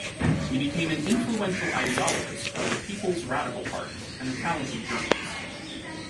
He became an influential ideologist of the People's Radical Party and a talented journalist.